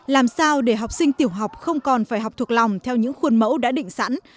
làm sao để học sinh tiểu học không còn phải học thuộc lòng theo những khuôn mẫu đã định sẵn